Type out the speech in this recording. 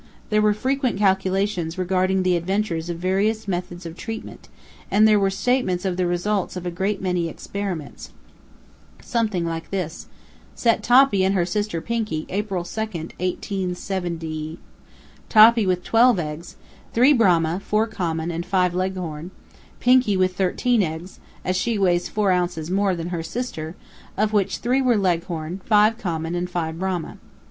There were frequent calculations regarding the advantages of various methods of treatment, and there were statements of the results of a great many experiments something like this: "Set Toppy and her sister Pinky, April 2nd 187 ; Toppy with twelve eggs, three Brahma, four common, and five Leghorn; Pinky with thirteen eggs (as she weighs four ounces more than her sister), of which three were Leghorn, five common, and five Brahma.